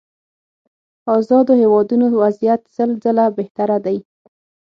ازادو هېوادونو وضعيت سل ځله بهتره دي.